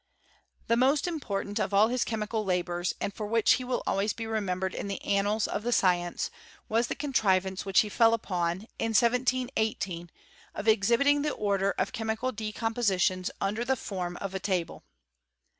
The most important of all his chemical labours, and for which he will always be remembered in the annals of the science, was the contrivance which he fell upon, in 1718, of exhibiting the order of chemical decom poaitione under the form of a table.